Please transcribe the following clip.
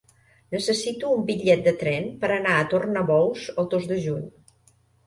Necessito un bitllet de tren per anar a Tornabous el dos de juny.